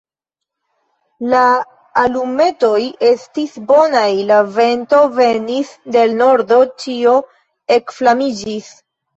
La alumetoj estis bonaj: la vento venis de l' nordo, ĉio ekflamiĝis.